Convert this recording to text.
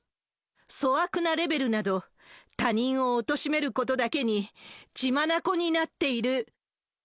粗悪なレベルなど、他人をおとしめることだけに血眼になっている。